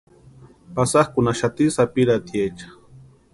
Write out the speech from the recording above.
Pasakʼunhaxati sapiratiecha.